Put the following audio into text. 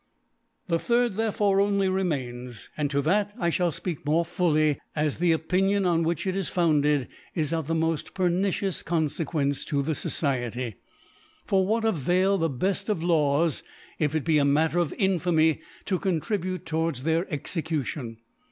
The third therefore only remains, and to that I fliall fpeak more fully, as the O ^ pinion on which it is founded is of the mod pernicious Confequence to the Society , for what avail the beft of Laws, if it be a Matter of Infamy to contribute towards their Execution